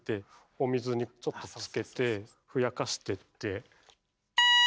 お水にちょっとつけてふやかしてって。